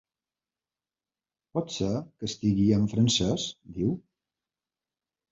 Pot ser que estigui en francès? —diu.